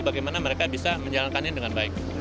bagaimana mereka bisa menjalankannya dengan baik